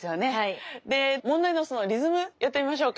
で問題のそのリズムやってみましょうか。